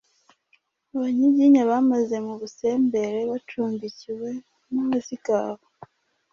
Abanyiginya bamaze mu busembere bacumbikiwe n’Abazigaba,